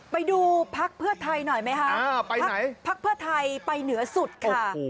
ไปดูพักเพื่อไทยหน่อยไหมคะพักเพื่อไทยไปเหนือสุดค่ะ